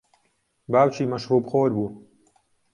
باوکی مەشروبخۆر بوو.